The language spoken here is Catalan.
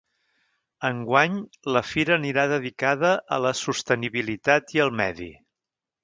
Enguany, la fira anirà dedicada a la sostenibilitat i el medi.